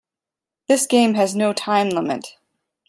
This game has no time limit.